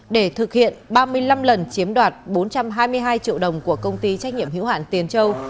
để thực hiện ba mươi năm lần chiếm đoạt bốn trăm hai mươi hai triệu đồng của công ty trách nhiệm hữu hạn tiền châu